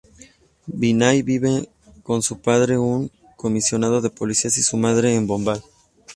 Vinay vive con su padre, un comisionado de policía y su madre en Bombay.